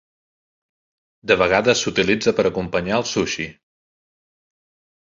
De vegades s'utilitza per acompanyar el sushi.